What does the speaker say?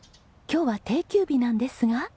今日は定休日なんですが。